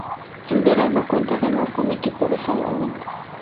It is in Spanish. En verano cuenta además con equipo de salvamento.